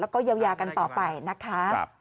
แล้วก็เยียวยากันต่อไปนะคะ